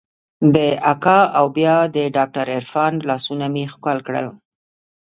د اکا او بيا د ډاکتر عرفان لاسونه مې ښکل کړل.